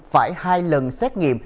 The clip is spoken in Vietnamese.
phải hai lần xét nghiệm